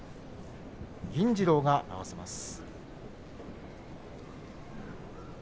銀治郎が合わせます。